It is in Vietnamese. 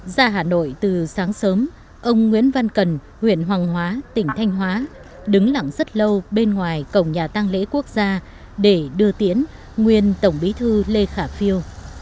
ra hà nội từ sáng sớm ông nguyễn văn cần huyện hoàng hóa tỉnh thanh hóa đứng lặng rất lâu bên ngoài cổng nhà tăng lễ quốc gia để đưa tiễn nguyên tổng bí thư lê khả phiêu